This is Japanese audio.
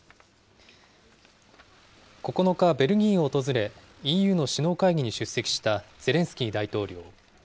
９日、ベルギーを訪れ、ＥＵの首脳会議に出席したゼレンスキー大統領。